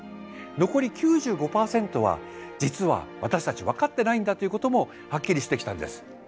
残り９５％は実は私たち分かってないんだということもはっきりしてきたんです。